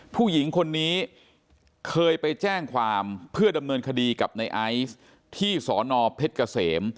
ผู้หญิงคนนี้เคยไปแจ้งความเพื่อดำเนินคดีกับในไอซ์ที่สอนอเพชรเกษม